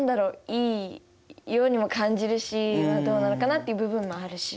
いいようにも感じるしどうなのかなっていう部分もあるし。